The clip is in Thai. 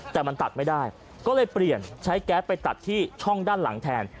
แต่มันตัดไม่ได้ก็เลยเปลี่ยนใช้แก๊สไปตัดที่ช่องด้านหลังแทน